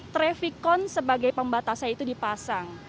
trafikon sebagai pembatasnya itu dipasang